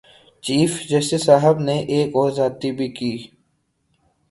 Chief justice صاحب نے ایک اور زیادتی بھی کی۔